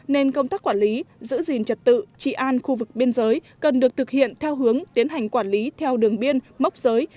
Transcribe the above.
nên công tác quản lý giữ gìn trật tự trị an khu vực biên giới cần được thực hiện theo hướng tiến hành quản lý theo đường biên mốc giới